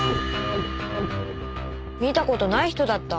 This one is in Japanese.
見た事ない人だった。